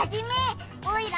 オイラ